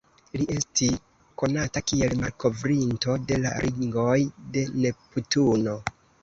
Li esti konata kiel malkovrinto de la ringoj de Neptuno.